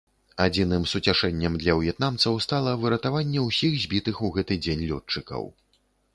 Адзіным суцяшэннем для в'етнамцаў стала выратаванне ўсіх збітых у гэты дзень лётчыкаў.